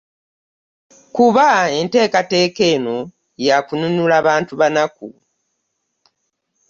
Kuba enteekateeka eno ya kununula bantu banaku.